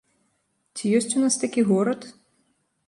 Ці ёсць у нас такі горад?